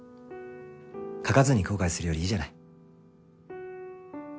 描かずに後悔するよりいいじゃない。